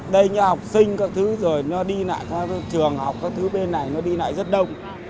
đây như học sinh các thứ rồi nó đi lại các trường học các thứ bên này nó đi lại rất đông